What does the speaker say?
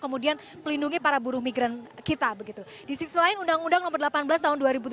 kemudian melindungi para buruh migran kita begitu di sisi lain undang undang nomor delapan belas tahun dua ribu tujuh belas